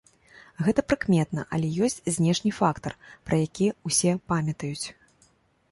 Гэта прыкметна, але ёсць знешні фактар, пра які ўсе памятаюць.